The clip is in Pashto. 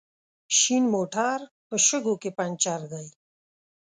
شين موټر په شګو کې پنچر دی